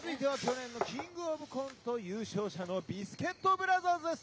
「キングオブコント優勝者のビスケットブラザーズです」。